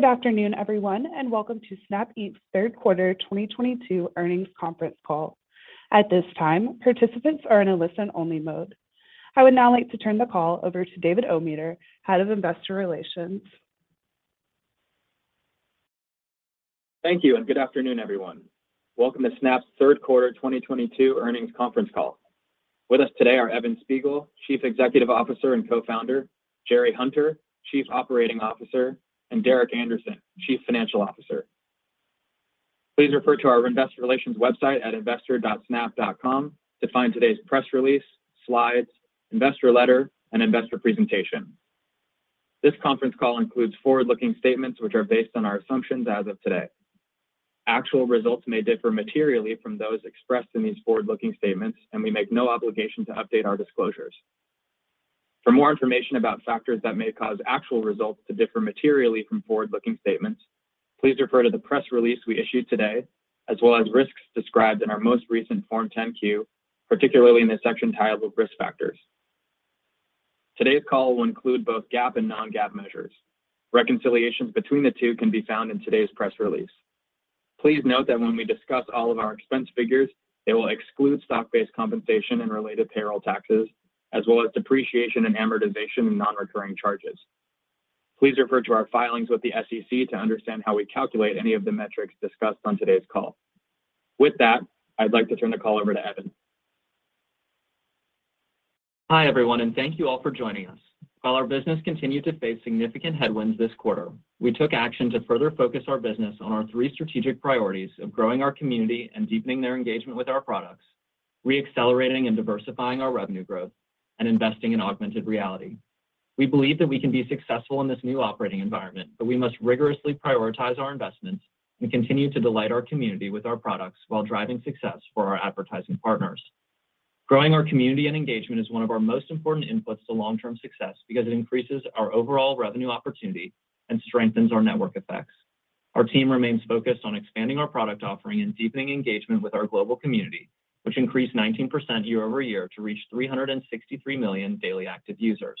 Good afternoon, everyone, and welcome to Snap Inc. Q3 2022 earnings conference call. At this time, participants are in a listen-only mode. I would now like to turn the call over to David OMeter, Head of Investor Relations. Thank you and good afternoon, everyone. Welcome to Snap's Q3 2022 earnings conference call. With us today are Evan Spiegel, Chief Executive Officer and Co-founder, Jerry Hunter, Chief Operating Officer, and Derek Andersen, Chief Financial Officer. Please refer to our investor relations website at investor.snap.com to find today's press release, slides, investor letter, and investor presentation. This conference call includes forward-looking statements which are based on our assumptions as of today. Actual results may differ materially from those expressed in these forward-looking statements, and we make no obligation to update our disclosures. For more information about factors that may cause actual results to differ materially from forward-looking statements, please refer to the press release we issued today, as well as risks described in our most recent Form 10-Q, particularly in the section titled Risk Factors. Today's call will include both GAAP and non-GAAP measures. Reconciliations between the two can be found in today's press release. Please note that when we discuss all of our expense figures, they will exclude stock-based compensation and related payroll taxes, as well as depreciation and amortization and non-recurring charges. Please refer to our filings with the SEC to understand how we calculate any of the metrics discussed on today's call. With that, I'd like to turn the call over to Evan. Hi, everyone, and thank you all for joining us. While our business continued to face significant headwinds this quarter, we took action to further focus our business on our three strategic priorities of growing our community and deepening their engagement with our products, re-accelerating and diversifying our revenue growth, and investing in augmented reality. We believe that we can be successful in this new operating environment, but we must rigorously prioritize our investments and continue to delight our community with our products while driving success for our advertising partners. Growing our community and engagement is one of our most important inputs to long-term success because it increases our overall revenue opportunity and strengthens our network effects. Our team remains focused on expanding our product offering and deepening engagement with our global community, which increased 19% year-over-year to reach 363 million daily active users.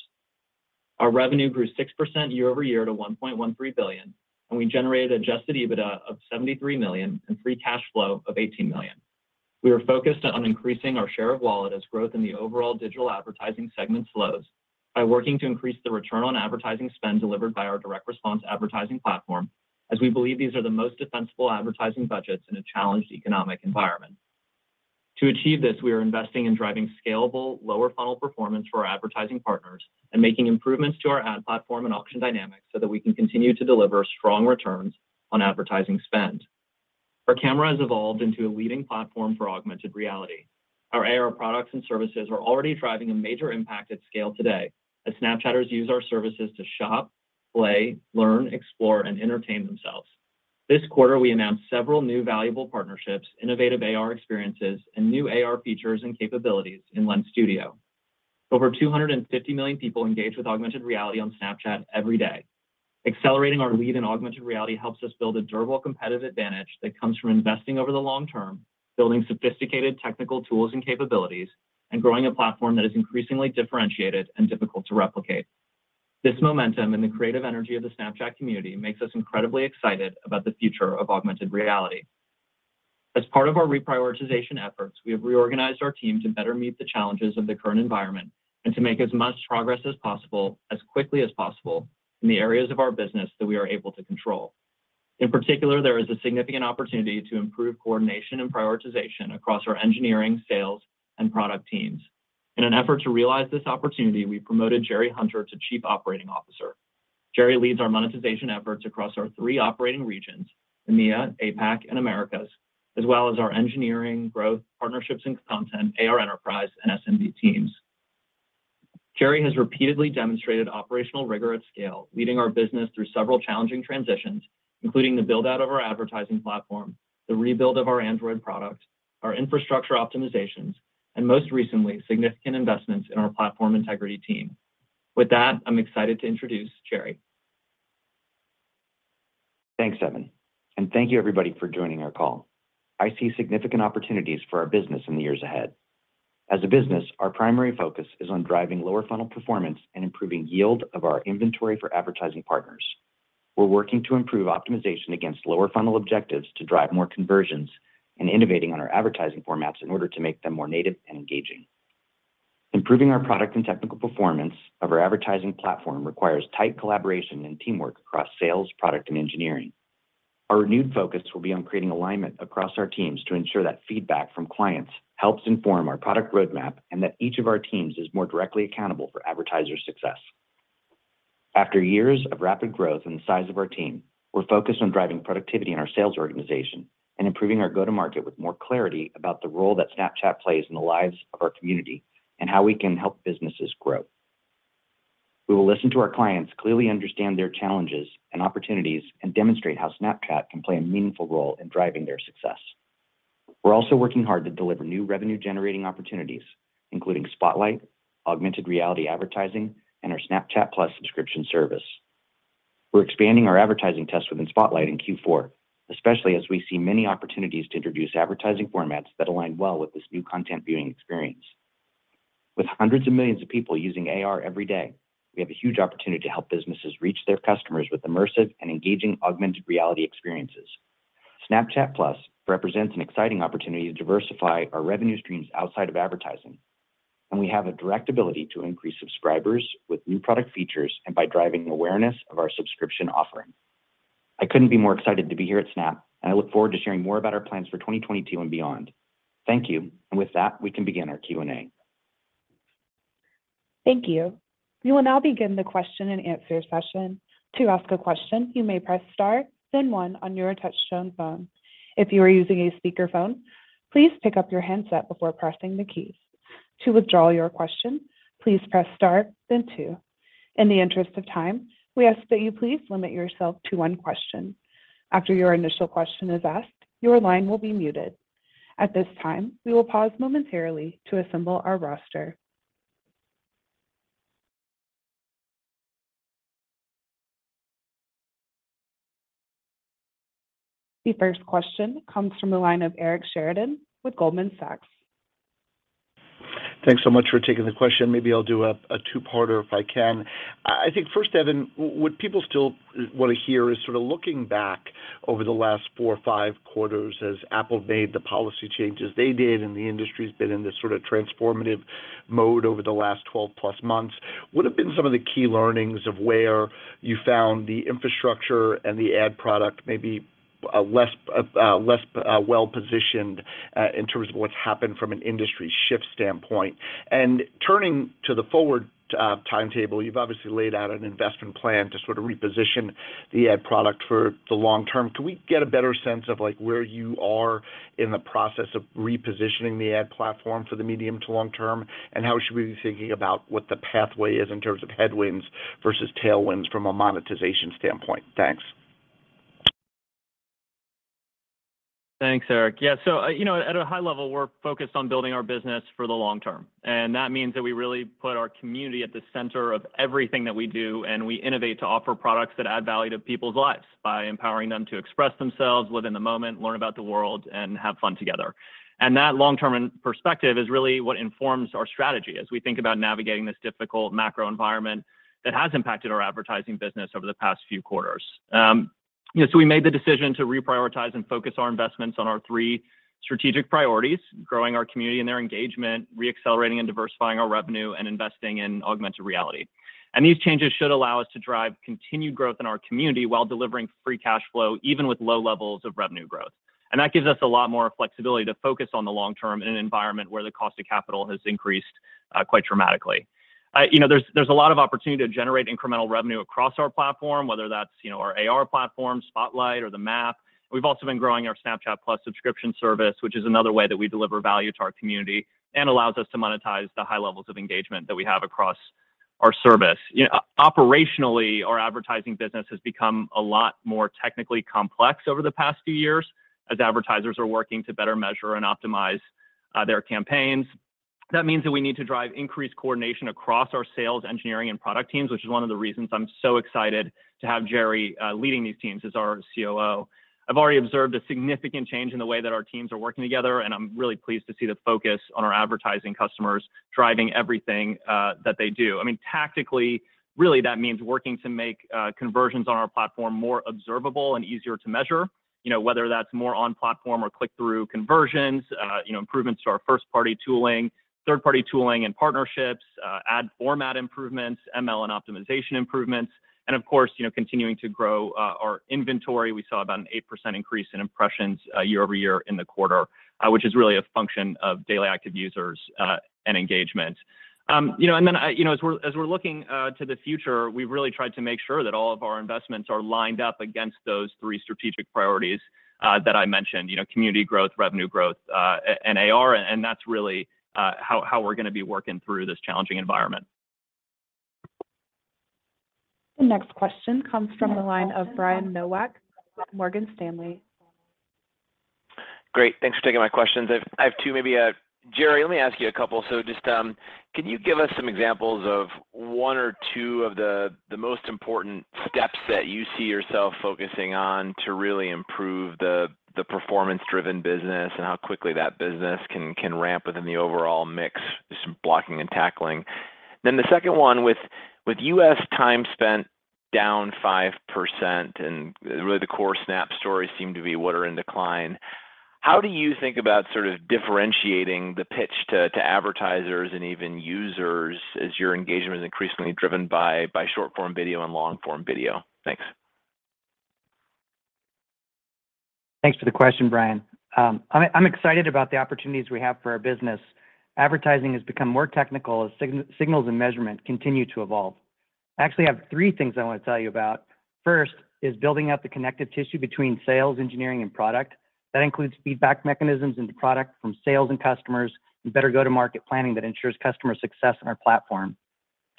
Our revenue grew 6% year-over-year to $1.13 billion, and we generated adjusted EBITDA of $73 million and free cash flow of $18 million. We are focused on increasing our share of wallet as growth in the overall digital advertising segment slows by working to increase the return on advertising spend delivered by our direct response advertising platform, as we believe these are the most defensible advertising budgets in a challenged economic environment. To achieve this, we are investing in driving scalable lower funnel performance for our advertising partners and making improvements to our ad platform and auction dynamics so that we can continue to deliver strong returns on advertising spend. Our camera has evolved into a leading platform for augmented reality. Our AR products and services are already driving a major impact at scale today as Snapchatters use our services to shop, play, learn, explore, and entertain themselves. This quarter, we announced several new valuable partnerships, innovative AR experiences, and new AR features and capabilities in Lens Studio. Over 250 million people engage with augmented reality on Snapchat every day. Accelerating our lead in augmented reality helps us build a durable competitive advantage that comes from investing over the long term, building sophisticated technical tools and capabilities, and growing a platform that is increasingly differentiated and difficult to replicate. This momentum and the creative energy of the Snapchat community makes us incredibly excited about the future of augmented reality. As part of our reprioritization efforts, we have reorganized our team to better meet the challenges of the current environment and to make as much progress as possible, as quickly as possible in the areas of our business that we are able to control. In particular, there is a significant opportunity to improve coordination and prioritization across our engineering, sales, and product teams. In an effort to realize this opportunity, we promoted Jerry Hunter to Chief Operating Officer. Jerry leads our monetization efforts across our three operating regions, EMEA, APAC, and Americas, as well as our engineering, growth, partnerships and content, AR enterprise, and SMB teams. Jerry has repeatedly demonstrated operational rigor at scale, leading our business through several challenging transitions, including the build-out of our advertising platform, the rebuild of our Android product, our infrastructure optimizations, and most recently, significant investments in our platform integrity team. With that, I'm excited to introduce Jerry. Thanks, Evan, and thank you everybody for joining our call. I see significant opportunities for our business in the years ahead. As a business, our primary focus is on driving lower funnel performance and improving yield of our inventory for advertising partners. We're working to improve optimization against lower funnel objectives to drive more conversions and innovating on our advertising formats in order to make them more native and engaging. Improving our product and technical performance of our advertising platform requires tight collaboration and teamwork across sales, product, and engineering. Our renewed focus will be on creating alignment across our teams to ensure that feedback from clients helps inform our product roadmap and that each of our teams is more directly accountable for advertiser success. After years of rapid growth in the size of our team, we're focused on driving productivity in our sales organization and improving our go-to-market with more clarity about the role that Snapchat plays in the lives of our community and how we can help businesses grow. We will listen to our clients, clearly understand their challenges and opportunities, and demonstrate how Snapchat can play a meaningful role in driving their success. We're also working hard to deliver new revenue-generating opportunities, including Spotlight, augmented reality advertising, and our Snapchat+ subscription service. We're expanding our advertising tests within Spotlight in Q4, especially as we see many opportunities to introduce advertising formats that align well with this new content viewing experience. With hundreds of millions of people using AR every day, we have a huge opportunity to help businesses reach their customers with immersive and engaging augmented reality experiences. Snapchat+ represents an exciting opportunity to diversify our revenue streams outside of advertising, and we have a direct ability to increase subscribers with new product features and by driving awareness of our subscription offering. I couldn't be more excited to be here at Snap, and I look forward to sharing more about our plans for 2022 and beyond. Thank you. With that, we can begin our Q&A. Thank you. We will now begin the question-and-answer session. To ask a question, you may press star then one on your touchtone phone. If you are using a speakerphone, please pick up your handset before pressing the keys. To withdraw your question, please press star then two. In the interest of time, we ask that you please limit yourself to one question. After your initial question is asked, your line will be muted. At this time, we will pause momentarily to assemble our roster. The first question comes from the line of Eric Sheridan with Goldman Sachs. Thanks so much for taking the question. Maybe, I'll do a two-parter if I can. I think first, Evan, what people still want to hear is sort of looking back over the last 4 or 5 quarters as Apple made the policy changes they did and the industry's been in this sort of transformative mode over the last 12-plus months, what have been some of the key learnings of where you found the infrastructure and the ad product maybe less well-positioned in terms of what's happened from an industry shift standpoint? Turning to the forward timetable, you've obviously laid out an investment plan to sort of reposition the ad product for the long term. Can we get a better sense of, like, where you are in the process of repositioning the ad platform for the medium to long term? How should we be thinking about what the pathway is in terms of headwinds versus tailwinds from a monetization standpoint? Thanks. Thanks, Eric. Yeah, so, you know, at a high level, we're focused on building our business for the long term, and that means that we really put our community at the center of everything that we do, and we innovate to offer products that add value to people's lives by empowering them to express themselves, live in the moment, learn about the world, and have fun together. That long-term perspective is really what informs our strategy as we think about navigating this difficult macro environment that has impacted our advertising business over the past few quarters. You know, we made the decision to reprioritize and focus our investments on our three strategic priorities, growing our community and their engagement, re-accelerating and diversifying our revenue, and investing in augmented reality. These changes should allow us to drive continued growth in our community while delivering free cash flow, even with low levels of revenue growth. That gives us a lot more flexibility to focus on the long term in an environment where the cost of capital has increased quite dramatically. You know, there's a lot of opportunity to generate incremental revenue across our platform, whether that's, you know, our AR platform, Spotlight or the Map. We've also been growing our Snapchat+ subscription service, which is another way that we deliver value to our community and allows us to monetize the high levels of engagement that we have across our service. You know, operationally our advertising business has become a lot more technically complex over the past few years as advertisers are working to better measure and optimize their campaigns. That means that we need to drive increased coordination across our sales, engineering, and product teams, which is one of the reasons I'm so excited to have Jerry leading these teams as our COO. I've already observed a significant change in the way that our teams are working together, and I'm really pleased to see the focus on our advertising customers driving everything that they do. I mean, tactically, really, that means working to make conversions on our platform more observable and easier to measure, you know, whether that's more on platform or click-through conversions, you know, improvements to our first-party tooling, third-party tooling and partnerships, ad format improvements, ML and optimization improvements, and of course, you know, continuing to grow our inventory. We saw about an 8% increase in impressions year-over-year in the quarter, which is really a function of daily active users and engagement. You know, as we're looking to the future, we've really tried to make sure that all of our investments are lined up against those three strategic priorities that I mentioned, you know, community growth, revenue growth and AR, and that's really how we're gonna be working through this challenging environment. The next question comes from the line of Brian Nowak with Morgan Stanley. Great. Thanks for taking my questions. I have two, maybe. Jerry, let me ask you a couple. Just, can you give us some examples of one or two of the most important steps that you see yourself focusing on to really improve the performance-driven business and how quickly that business can ramp within the overall mix, just blocking and tackling? The second one, with U.S. time spent down 5%, and really the core Snap stories seem to be what are in decline. How do you think about sort of differentiating the pitch to advertisers and even users as your engagement is increasingly driven by short-form video and long-form video? Thanks. Thanks for the question, Brian. I'm excited about the opportunities we have for our business. Advertising has become more technical as signals and measurement continue to evolve. I actually have three things I want to tell you about. First is building out the connective tissue between sales, engineering, and product. That includes feedback mechanisms into product from sales and customers and better go-to-market planning that ensures customer success on our platform.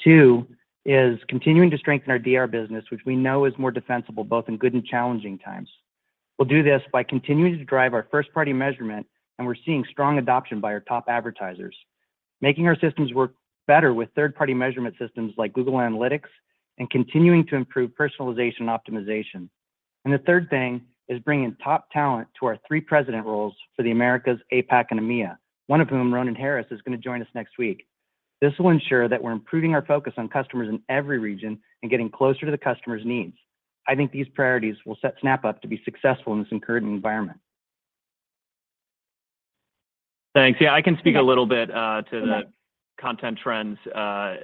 Two is continuing to strengthen our DR business, which we know is more defensible both in good and challenging times. We'll do this by continuing to drive our first-party measurement, and we're seeing strong adoption by our top advertisers. Making our systems work better with third-party measurement systems like Google Analytics and continuing to improve personalization optimization. The third thing is bringing top talent to our three president roles for the Americas, APAC, and EMEA, one of whom, Ronan Harris, is gonna join us next week. This will ensure that we're improving our focus on customers in every region and getting closer to the customers' needs. I think these priorities will set Snap up to be successful in this encouraging environment. Thanks. Yeah, I can speak a little bit. Yeah. Content trends,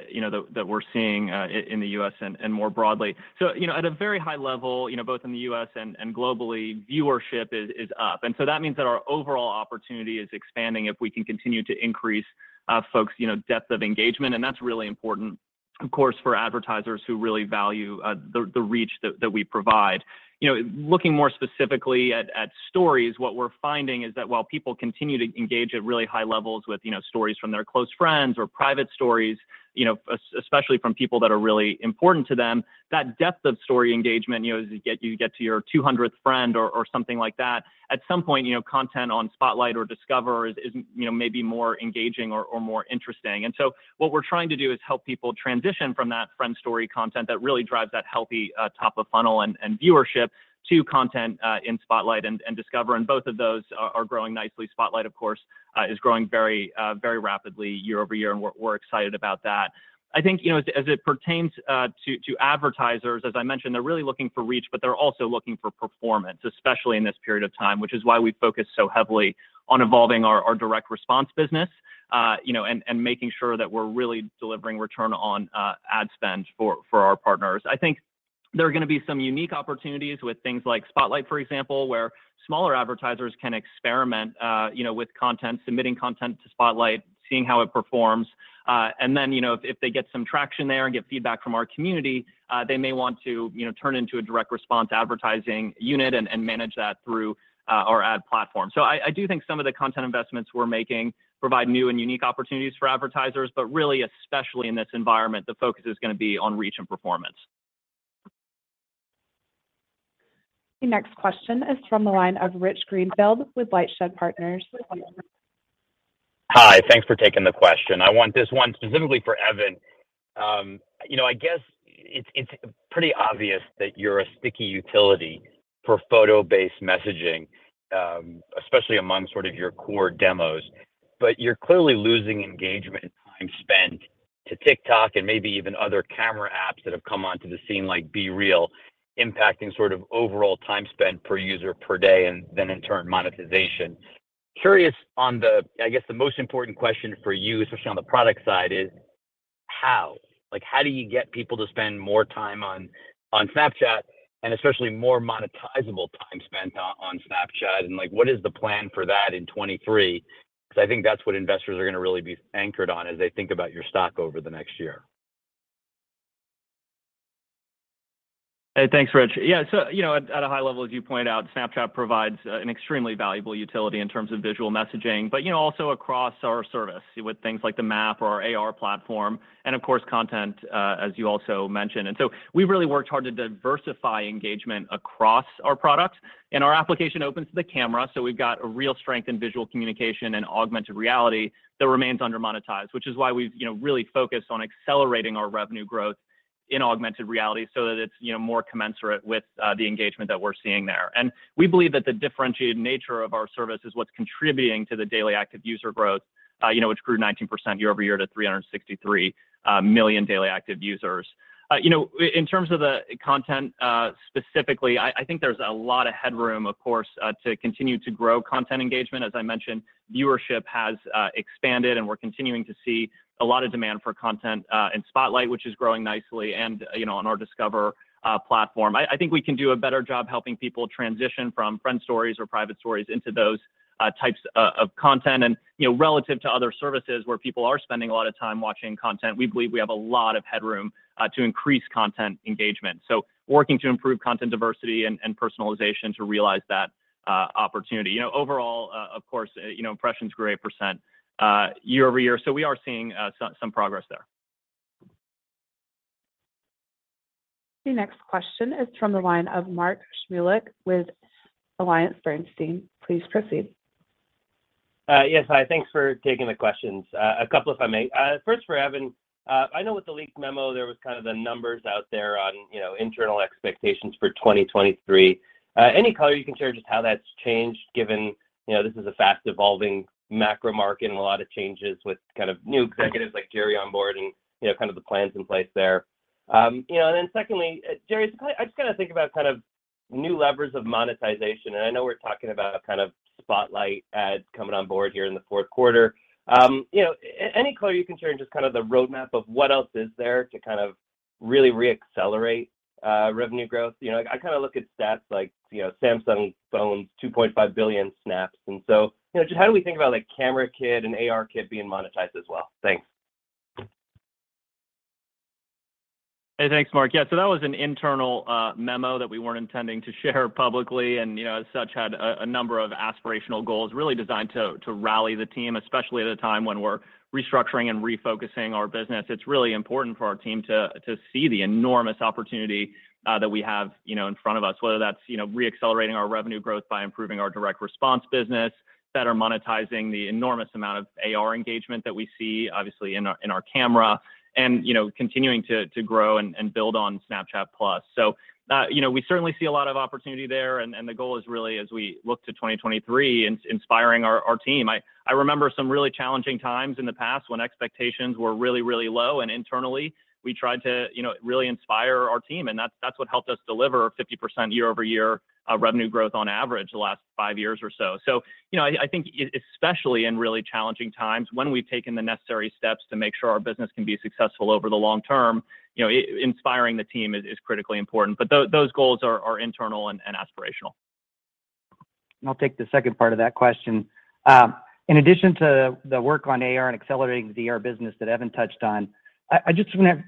you know, that that we're seeing in the US and more broadly. You know, at a very high level, you know, both in the US and globally, viewership is up. That means that our overall opportunity is expanding if we can continue to increase folks, you know, depth of engagement, and that's really important, of course, for advertisers who really value the reach that we provide. You know, looking more specifically at Stories, what we're finding is that while people continue to engage at really high levels with, you know, stories from their close friends or private stories, you know, especially from people that are really important to them, that depth of story engagement, you know, as you get to your 200th friend or something like that, at some point, you know, content on Spotlight or Discover is, you know, maybe more engaging or more interesting. What we're trying to do is help people transition from that friend story content that really drives that healthy top of funnel and viewership to content in Spotlight and Discover, and both of those are growing nicely. Spotlight, of course, is growing very rapidly year-over-year, and we're excited about that. I think, you know, as it pertains to advertisers, as I mentioned, they're really looking for reach, but they're also looking for performance, especially in this period of time, which is why we focus so heavily on evolving our direct response business, you know, and making sure that we're really delivering return on ad spend for our partners. I think there are gonna be some unique opportunities with things like Spotlight, for example, where smaller advertisers can experiment, you know, with content, submitting content to Spotlight, seeing how it performs. You know, if they get some traction there and get feedback from our community, they may want to, you know, turn into a direct response advertising unit and manage that through our ad platform. I do think some of the content investments we're making provide new and unique opportunities for advertisers, but really especially in this environment, the focus is gonna be on reach and performance. The next question is from the line of Rich Greenfield with LightShed Partners. Hi. Thanks for taking the question. I want this one specifically for Evan. You know, I guess it's pretty obvious that you're a sticky utility for photo-based messaging, especially among sort of your core demos. You're clearly losing engagement and time spent to TikTok and maybe even other camera apps that have come onto the scene like BeReal, impacting sort of overall time spent per user per day and then in turn monetization. Curious on the, I guess the most important question for you, especially on the product side is, how? Like, how do you get people to spend more time on Snapchat and especially more monetizable time spent on Snapchat? Like, what is the plan for that in 2023? Because I think that's what investors are gonna really be anchored on as they think about your stock over the next year. Hey, thanks, Rich. Yeah, so, you know, at a high level, as you point out, Snapchat provides an extremely valuable utility in terms of visual messaging, but, you know, also across our service with things like the Map or our AR platform and, of course, content, as you also mentioned. We've really worked hard to diversify engagement across our products, and our application opens to the camera, so we've got a real strength in visual communication and augmented reality that remains under-monetized, which is why we've, you know, really focused on accelerating our revenue growth in augmented reality so that it's, you know, more commensurate with the engagement that we're seeing there. We believe that the differentiated nature of our service is what's contributing to the daily active user growth, you know, which grew 19% year-over-year to 363 million daily active users. You know, in terms of the content, specifically, I think there's a lot of headroom, of course, to continue to grow content engagement. As I mentioned, viewership has expanded, and we're continuing to see a lot of demand for content in Spotlight, which is growing nicely and, you know, on our Discover platform. I think we can do a better job helping people transition from friend stories or private stories into those types of content. You know, relative to other services where people are spending a lot of time watching content, we believe we have a lot of headroom to increase content engagement, so working to improve content diversity and personalization to realize that opportunity. You know, overall, of course, you know, impressions grew 8% year-over-year, so we are seeing some progress there. The next question is from the line of Mark Shmulik with AllianceBernstein. Please proceed. Yes. Hi. Thanks for taking the questions. A couple if I may. First for Evan. I know with the leaked memo, there was kind of the numbers out there on, you know, internal expectations for 2023. Any color you can share just how that's changed given, you know, this is a fast evolving macro market and a lot of changes with kind of new executives like Jerry on board and, you know, kind of the plans in place there. You know, and then secondly, Jerry, I'm just gonna think about kind of new levers of monetization, and I know we're talking about kind of Spotlight ads coming on board here in the Q4. You know, any color you can share in just kind of the roadmap of what else is there to kind of really reaccelerate revenue growth. You know, I kind of look at stats like, you know, Samsung phones, 2.5 billion snaps, and so, you know, just how do we think about, like, Camera Kit and ARKit being monetized as well? Thanks. Hey, thanks Mark. Yeah, so that was an internal memo that we weren't intending to share publicly and, you know, as such, had a number of aspirational goals really designed to rally the team, especially at a time when we're restructuring and refocusing our business. It's really important for our team to see the enormous opportunity that we have, you know, in front of us, whether that's, you know, re-accelerating our revenue growth by improving our direct response business, better monetizing the enormous amount of AR engagement that we see obviously in our camera and, you know, continuing to grow and build on Snapchat+. So, you know, we certainly see a lot of opportunity there and the goal is really as we look to 2023 inspiring our team. I remember some really challenging times in the past when expectations were really, really low and internally we tried to, you know, really inspire our team and that's what helped us deliver 50% year-over-year revenue growth on average the last five years or so. You know, I think especially in really challenging times when we've taken the necessary steps to make sure our business can be successful over the long term, you know, inspiring the team is critically important, but those goals are internal and aspirational. I'll take the second part of that question. In addition to the work on AR and accelerating the AR business that Evan touched on, I just wanna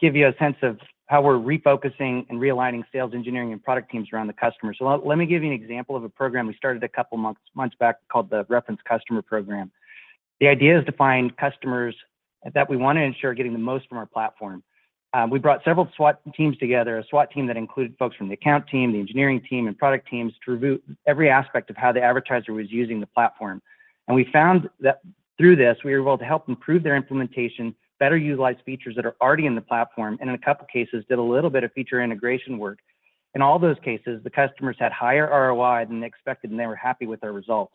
give you a sense of how we're refocusing and realigning sales engineering and product teams around the customer. Let me give you an example of a program we started a couple months back called the Reference Customer Program. The idea is to find customers that we want to ensure getting the most from our platform. We brought several SWAT teams together, a SWAT team that included folks from the account team, the engineering team, and product teams to review every aspect of how the advertiser was using the platform. We found that through this, we were able to help improve their implementation, better utilize features that are already in the platform, and in a couple cases, did a little bit of feature integration work. In all those cases, the customers had higher ROI than expected, and they were happy with their results.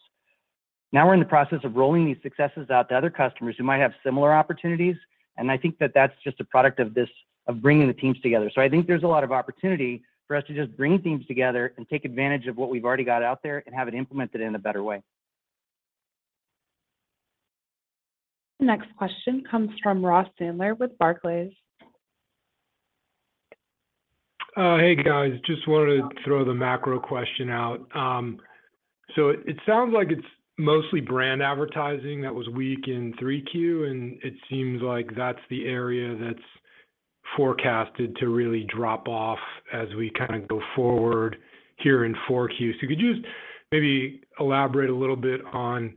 Now we're in the process of rolling these successes out to other customers who might have similar opportunities, and I think that that's just a product of this, of bringing the teams together. I think there's a lot of opportunity for us to just bring teams together and take advantage of what we've already got out there and have it implemented in a better way. Next question comes from Ross Sandler with Barclays. Hey guys, just wanted to throw the macro question out. It sounds like it's mostly brand advertising that was weak in Q3, and it seems like that's the area that's forecasted to really drop off as we kind of go forward here in Q4. Could you maybe elaborate a little bit on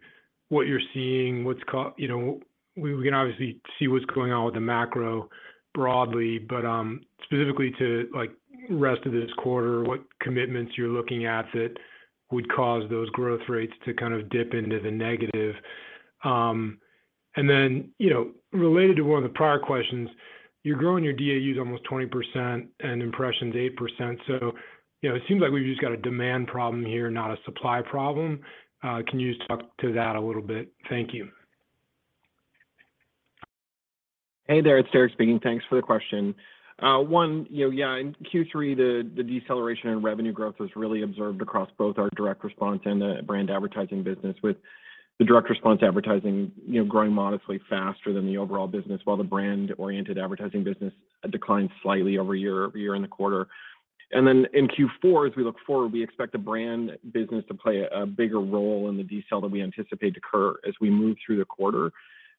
what you're seeing? You know, we can obviously see what's going on with the macro broadly, but specifically to like rest of this quarter, what commitments you're looking at that would cause those growth rates to kind of dip into the negative. And then, you know, related to one of the prior questions, you're growing your DAUs almost 20% and impressions 8%. You know, it seems like we've just got a demand problem here, not a supply problem. Can you talk to that a little bit? Thank you. Hey there, it's Derek speaking. Thanks for the question. One, you know, yeah, in Q3, the deceleration in revenue growth was really observed across both our direct response and the brand advertising business with the direct response advertising, you know, growing modestly faster than the overall business, while the brand-oriented advertising business declined slightly year-over-year in the quarter. Then in Q4, as we look forward, we expect the brand business to play a bigger role in the decel that we anticipate to occur as we move through the quarter.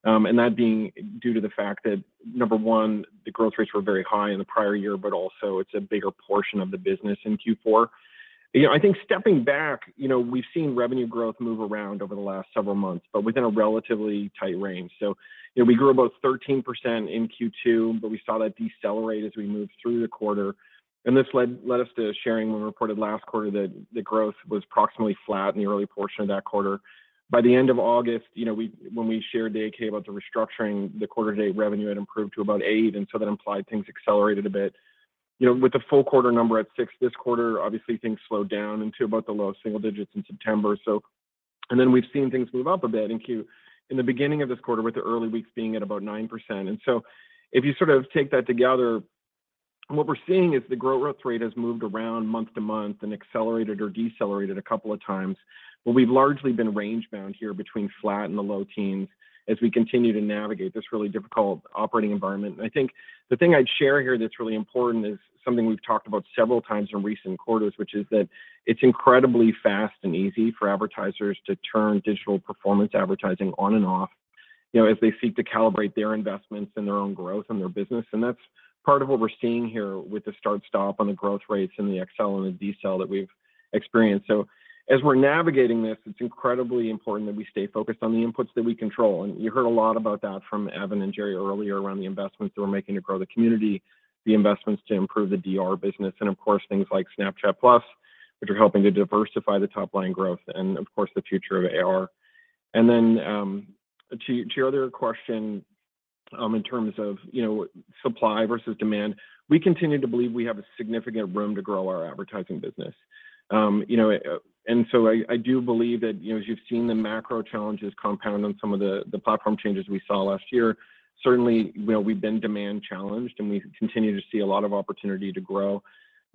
That being due to the fact that number one, the growth rates were very high in the prior year, but also it's a bigger portion of the business in Q4. You know, I think stepping back, you know, we've seen revenue growth move around over the last several months, but within a relatively tight range. You know, we grew about 13% in Q2, but we saw that decelerate as we moved through the quarter. This led us to sharing when we reported last quarter that the growth was approximately flat in the early portion of that quarter. By the end of August, you know, we, when we shared the 8-K about the restructuring, the quarter to date revenue had improved to about 8%, and so that implied things accelerated a bit. You know, with the full quarter number at 6% this quarter obviously things slowed down into about the low single digits in September. We've seen things move up a bit in the beginning of this quarter with the early weeks being at about 9%. If you sort of take that together, what we're seeing is the growth rate has moved around month-to-month and accelerated or decelerated a couple of times, but we've largely been range-bound here between flat and the low teens as we continue to navigate this really difficult operating environment. I think the thing I'd share here that's really important is something we've talked about several times in recent quarters, which is that it's incredibly fast and easy for advertisers to turn digital performance advertising on and off, you know, as they seek to calibrate their investments and their own growth and their business. That's part of what we're seeing here with the start stop on the growth rates and the accel and the decel that we've experienced. As we're navigating this, it's incredibly important that we stay focused on the inputs that we control. You heard a lot about that from Evan and Jerry earlier around the investments that we're making to grow the community, the investments to improve the DR business, and of course, things like Snapchat+, which are helping to diversify the top line growth and of course the future of AR. Then, to your other question, in terms of, you know, supply versus demand, we continue to believe we have a significant room to grow our advertising business. You know, I do believe that, you know, as you've seen the macro challenges compound on some of the platform changes we saw last year, certainly, you know, we've been demand challenged, and we continue to see a lot of opportunity to grow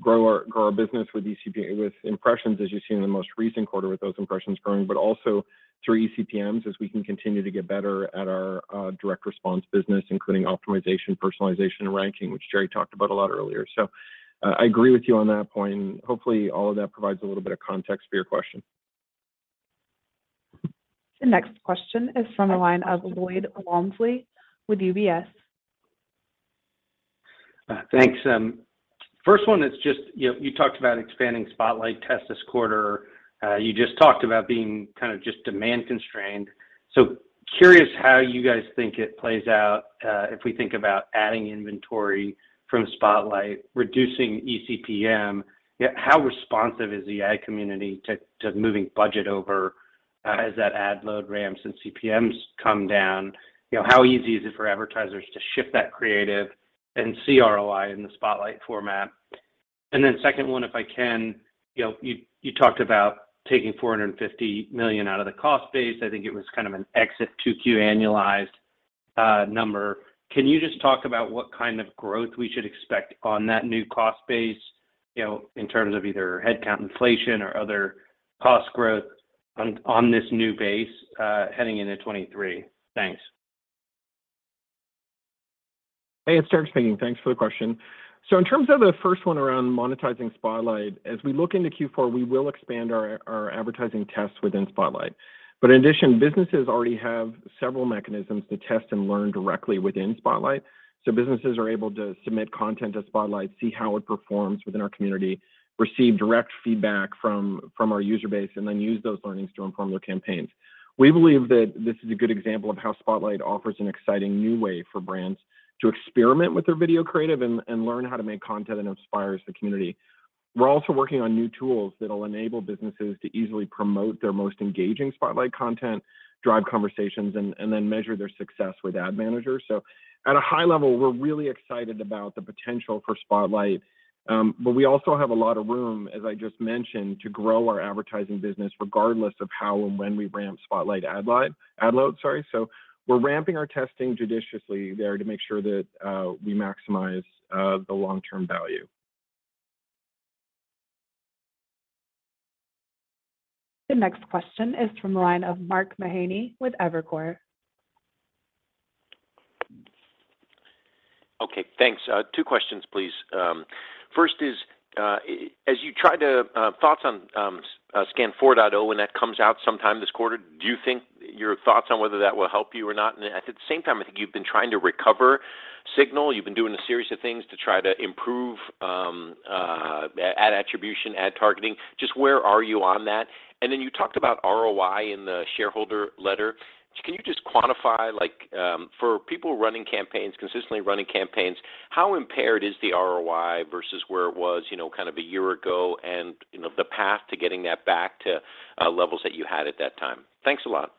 our business with eCPA, with impressions as you've seen in the most recent quarter with those impressions growing, but also through eCPMs as we can continue to get better at our direct response business, including optimization, personalization, and ranking, which Jerry talked about a lot earlier. I agree with you on that point, and hopefully all of that provides a little bit of context for your question. The next question is from the line of Lloyd Walmsley with UBS. Thanks. First one is just, you know, you talked about expanding Spotlight test this quarter. You just talked about being kind of just demand constrained. Curious how you guys think it plays out, if we think about adding inventory from Spotlight, reducing eCPM. You know, how responsive is the ad community to moving budget over, as that ad load ramps and CPMs come down? You know, how easy is it for advertisers to shift that creative and see ROI in the Spotlight format? Second one, if I can, you know, you talked about taking $450 million out of the cost base. I think it was kind of an exit 2Q annualized number. Can you just talk about what kind of growth we should expect on that new cost base, you know, in terms of either headcount inflation or other cost growth on this new base, heading into 2023? Thanks. Hey, it's Derek speaking. Thanks for the question. In terms of the first one around monetizing Spotlight, as we look into Q4, we will expand our advertising tests within Spotlight. In addition, businesses already have several mechanisms to test and learn directly within Spotlight. Businesses are able to submit content to Spotlight, see how it performs within our community, receive direct feedback from our user base, and then use those learnings to inform their campaigns. We believe that this is a good example of how Spotlight offers an exciting new way for brands to experiment with their video creative and learn how to make content that inspires the community. We're also working on new tools that'll enable businesses to easily promote their most engaging Spotlight content, drive conversations, and then measure their success with ad managers. At a high level, we're really excited about the potential for Spotlight. We also have a lot of room, as I just mentioned, to grow our advertising business regardless of how and when we ramp Spotlight ad load. We're ramping our testing judiciously there to make sure that we maximize the long-term value. The next question is from the line of Mark Mahaney with Evercore. Okay, thanks. Two questions, please. First, thoughts on SKAdNetwork 4.0 when that comes out sometime this quarter. Do you think your thoughts on whether that will help you or not? At the same time, I think you've been trying to recover signal. You've been doing a series of things to try to improve ad attribution, ad targeting. Just where are you on that? Then you talked about ROI in the shareholder letter. Can you just quantify, like, for people running campaigns, consistently running campaigns, how impaired is the ROI versus where it was, you know, kind of a year ago and, you know, the path to getting that back to levels that you had at that time? Thanks a lot.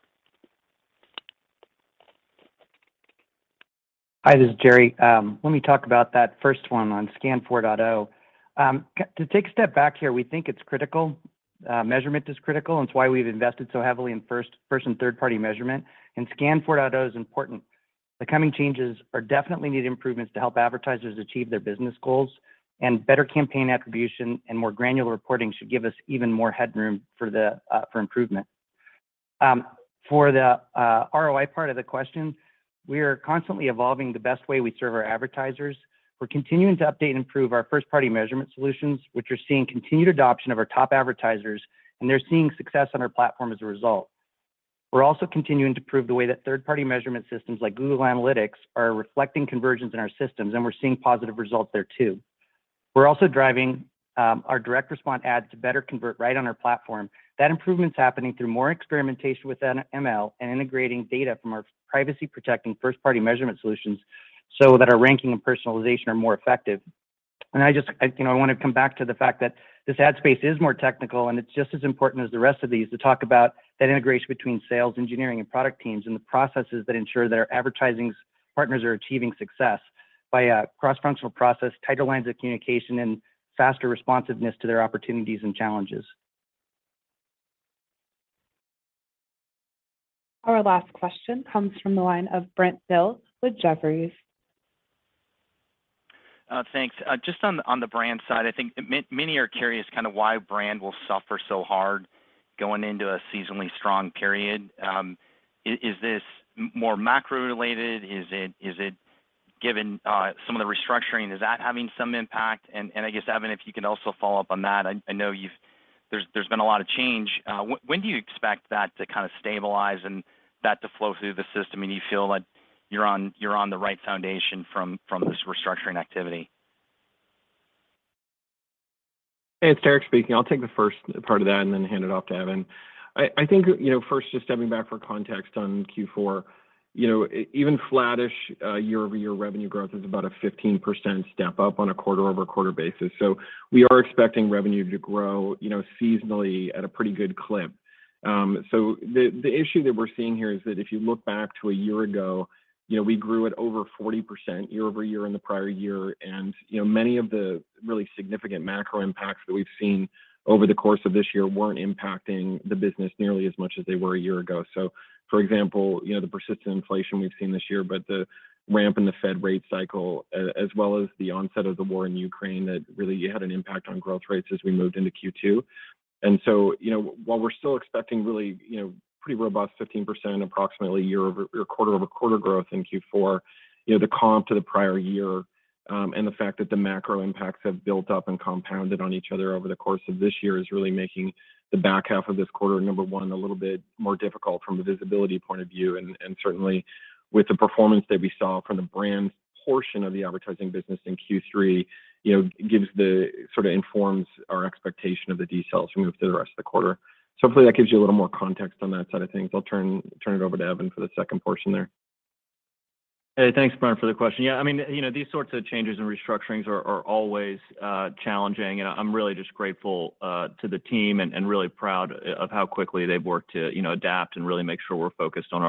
Hi, this is Jerry. Let me talk about that first one on SKAdNetwork 4.0. To take a step back here, we think it's critical. Measurement is critical, and it's why we've invested so heavily in first and third-party measurement, and SKAdNetwork 4.0 is important. The coming changes definitely need improvements to help advertisers achieve their business goals, and better campaign attribution and more granular reporting should give us even more headroom for improvement. For the ROI part of the question, we are constantly evolving the best way we serve our advertisers. We're continuing to update and improve our first-party measurement solutions, which are seeing continued adoption of our top advertisers, and they're seeing success on our platform as a result. We're also continuing to improve the way that third-party measurement systems like Google Analytics are reflecting conversions in our systems, and we're seeing positive results there too. We're also driving our direct response ads to better convert right on our platform. That improvement's happening through more experimentation with ML and integrating data from our privacy-protecting first-party measurement solutions so that our ranking and personalization are more effective. You know, I wanna come back to the fact that this ad space is more technical, and it's just as important as the rest of these to talk about that integration between sales, engineering, and product teams, and the processes that ensure that our advertising partners are achieving success by a cross-functional process, tighter lines of communication, and faster responsiveness to their opportunities and challenges. Our last question comes from the line of Brent Thill with Jefferies. Thanks. Just on the brand side, I think many are curious kind of why brand will suffer so hard going into a seasonally strong period. Is this more macro related? Is it given some of the restructuring, is that having some impact? I guess, Evan, if you could also follow up on that. I know there's been a lot of change. When do you expect that to kind of stabilize and that to flow through the system, and you feel like you're on the right foundation from this restructuring activity? Hey, it's Derek speaking. I'll take the first part of that and then hand it off to Evan. I think, you know, first just stepping back for context on Q4, you know, even flattish year-over-year revenue growth is about a 15% step-up on a quarter-over-quarter basis. We are expecting revenue to grow, you know, seasonally at a pretty good clip. The issue that we're seeing here is that if you look back to a year ago, you know, we grew at over 40% year-over-year in the prior year. You know, many of the really significant macro impacts that we've seen over the course of this year weren't impacting the business nearly as much as they were a year ago. For example, you know, the persistent inflation we've seen this year, but the ramp in the Fed rate cycle, as well as the onset of the war in Ukraine, that really had an impact on growth rates as we moved into Q2. You know, while we're still expecting really, you know, pretty robust 15% approximately quarter-over-quarter growth in Q4, you know, the comp to the prior year, and the fact that the macro impacts have built up and compounded on each other over the course of this year is really making the back half of this quarter, number one, a little bit more difficult from a visibility point of view. Certainly with the performance that we saw from the brand's portion of the advertising business in Q3, you know, sort of informs our expectation of the details as we move through the rest of the quarter. Hopefully, that gives you a little more context on that side of things. I'll turn it over to Evan for the second portion there. Hey, thanks, Brian, for the question. Yeah, I mean, you know, these sorts of changes and restructurings are always challenging, and I'm really just grateful to the team and really proud of how quickly they've worked to, you know, adapt and really make sure we're focused on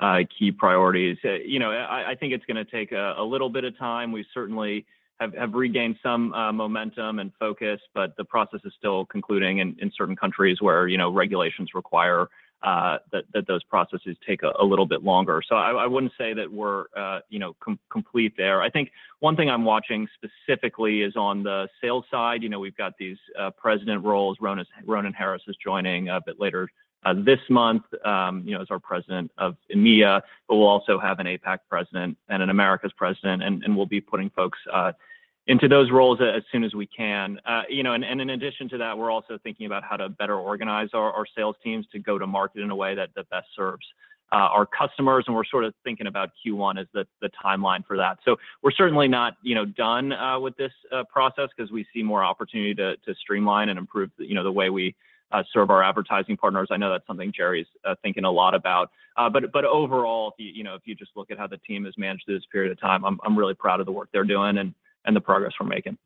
our key priorities. You know, I think it's gonna take a little bit of time. We certainly have regained some momentum and focus, but the process is still concluding in certain countries where, you know, regulations require that those processes take a little bit longer. I wouldn't say that we're, you know, complete there. I think one thing I'm watching specifically is on the sales side. You know, we've got these president roles. Ronan Harris is joining a bit later this month, you know, as our president of EMEA, but we'll also have an APAC president and an Americas president. We'll be putting folks into those roles as soon as we can. You know, in addition to that, we're also thinking about how to better organize our sales teams to go to market in a way that best serves our customers, and we're sort of thinking about Q1 as the timeline for that. We're certainly not, you know, done with this process 'cause we see more opportunity to streamline and improve the, you know, the way we serve our advertising partners. I know that's something Jerry is thinking a lot about. Overall, if you know, if you just look at how the team has managed through this period of time, I'm really proud of the work they're doing and the progress we're making.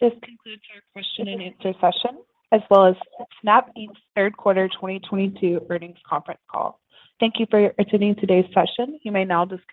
This concludes our question and answer session, as well as Snap Inc.'s Q3 2022 earnings conference call. Thank you for attending today's session. You may now disconnect.